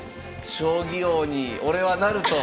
将棋王に俺はなると。